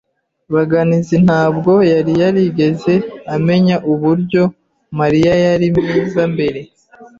Baganizi ntabwo yari yarigeze amenya uburyo Mariya yari mwiza mbere.